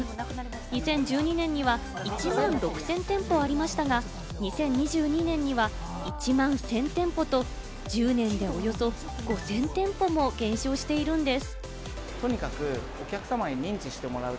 ２０１２年には１万６０００店舗ありましたが、２０２２年には１万１０００店舗と、１０年でおよそ５０００店舗も減少しているんです。